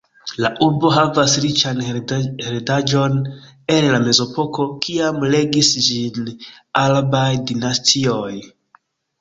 La urbo havas riĉan heredaĵon el la mezepoko, kiam regis ĝin arabaj dinastioj.